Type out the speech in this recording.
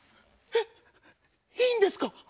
えいいんですか？